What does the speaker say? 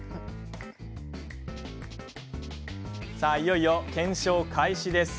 いよいよ検証開始です。